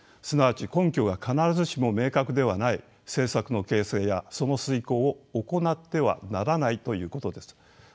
すなわち根拠が必ずしも明確ではない政策の形成やその遂行を行ってはならないということです。